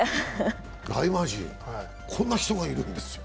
大魔神、こんな人がいるんですよ。